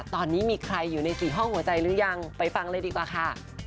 ตอนนี้มีใครอยู่ในสี่ห้องหัวใจหรือยังไปฟังเลยดีกว่าค่ะ